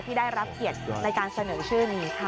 ที่ได้รับเกียรติในการเสนอชื่อนี้ค่ะ